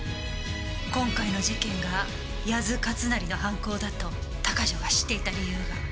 今回の事件が谷津勝成の犯行だと鷹城が知っていた理由が。